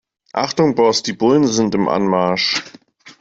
Achtung Boss, die Bullen sind im Anmarsch.